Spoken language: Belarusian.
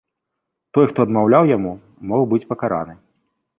Той, хто адмаўляў яму, мог быць пакараны.